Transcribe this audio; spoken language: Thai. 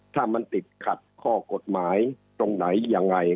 ถ้ามันติดขัดข้อกฎหมายตรงไหนยังไง